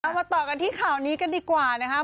มาต่อกันที่ข่าวนี้กันดีกว่านะครับ